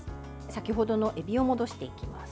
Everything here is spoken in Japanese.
先ほどのエビを戻していきます。